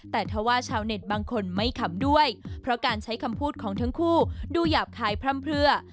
แต่ถ้าว่าชาวเน็ตบางคนไม่ขำด้วยเพราะการใช้คำพูดของทั้งคู่ดูหยาบคายพร่ำเพลือ